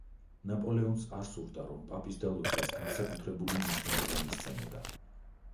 ნაპოლეონს არ სურდა, რომ პაპის დალოცვას განსაკუთრებული მნიშვნელობა მისცემოდა.